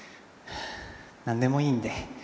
なんでもいいんで。